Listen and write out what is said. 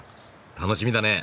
楽しみだね。